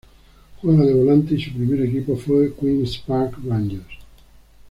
Juega de volante y su primer equipo fue Queens Park Rangers.